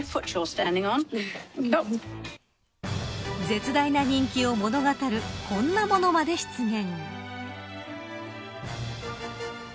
絶大な人気を物語る、こんなものまで出現。